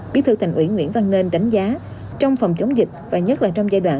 bí thư thành ủy nguyễn văn nên đánh giá trong phòng chống dịch và nhất là trong giai đoạn